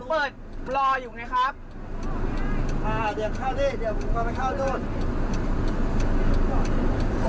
เปิดรออยู่ไหมครับอ่าเดี๋ยวเข้าดิเดี๋ยวผมมาไปเข้าที่จอด